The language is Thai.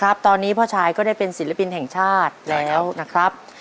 ครับตอนนี้พ่อชายก็ได้เป็นศิลปินแห่งชาติแล้วนะครับ